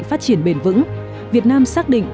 phát triển bền vững việt nam xác định